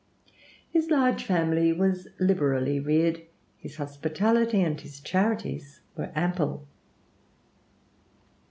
His large family was liberally reared; his hospitality and his charities were ample.